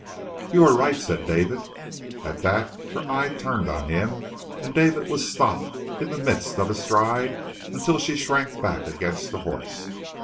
"You are right," said David. At that her eyes turned on him, and David was stopped in the midst of a stride until she shrank back against the horse.